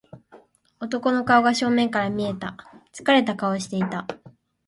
男の顔が正面から見えた。疲れた顔をしていた。